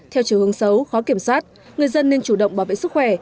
theo chiều hướng xấu khó kiểm soát người dân nên chủ động bảo vệ sức khỏe